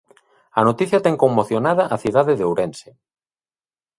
A noticia ten conmocionada a cidade de Ourense.